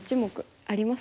ありますね。